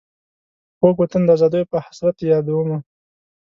خوږ وطن د آزادیو په حسرت دي یادومه.